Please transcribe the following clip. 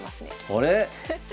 あれ？